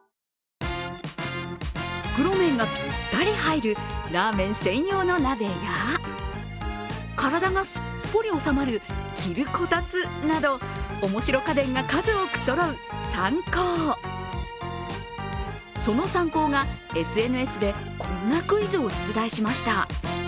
袋麺がぴったり入るラーメン専用の鍋や体がすっぽり収まる着るこたつなど面白家電が数多くそろう、サンコーそのサンコーがＳＮＳでこんなクイズを出題しました。